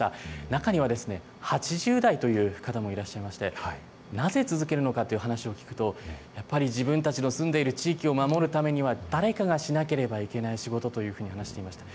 中には、８０代という方もいらっしゃいまして、なぜ続けるのかという話を聞くと、やっぱり自分たちの住んでいる地域を守るためには、誰かがしなければいけない仕事というふうに話していました。